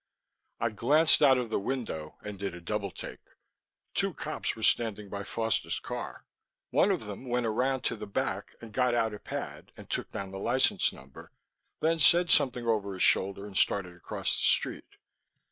I glanced out of the window and did a double take. Two cops were standing by Foster's car. One of them went around to the back and got out a pad and took down the license number, then said something over his shoulder and started across the street.